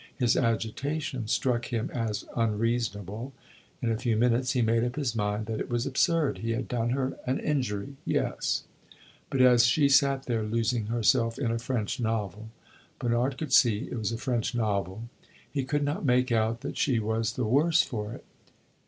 His agitation struck him as unreasonable; in a few minutes he made up his mind that it was absurd. He had done her an injury yes; but as she sat there losing herself in a French novel Bernard could see it was a French novel he could not make out that she was the worse for it.